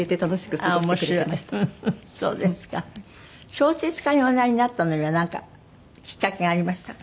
小説家におなりになったのにはなんかきっかけがありましたか？